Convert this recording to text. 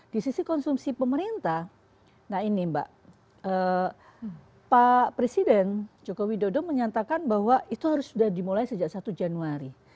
di sisi konsumsi pemerintah nah ini mbak pak presiden joko widodo menyatakan bahwa itu harus sudah dimulai sejak satu januari